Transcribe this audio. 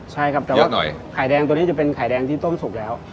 ใช่ครับแต่ว่าไข่แดงตัวนี้จะเป็นไข่แดงที่ต้มสุกแล้ว